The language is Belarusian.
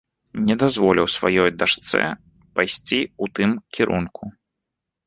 Не дазволіў сваёй дачцэ пайсці у тым кірунку.